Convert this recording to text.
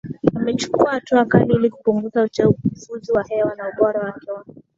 imechukua hatua kali ili kupunguza uchafuzi wa hewa na ubora wake wa